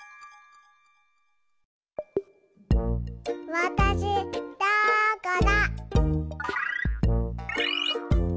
わたしどこだ？